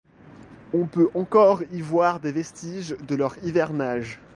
On peut encore y voir des vestiges de leur hivernage.